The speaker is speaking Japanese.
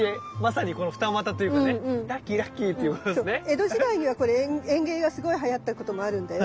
江戸時代にはこれ園芸がすごいはやったこともあるんだよ。